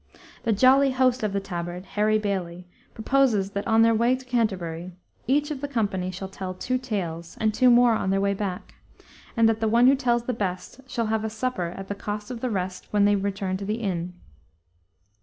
The jolly host of the Tabard, Harry Bailey, proposes that on their way to Canterbury, each of the company shall tell two tales, and two more on their way back, and that the one who tells the best shall have a supper at the cost of the rest when they return to the inn.